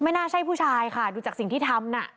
น่าใช่ผู้ชายค่ะดูจากสิ่งที่ทำน่ะ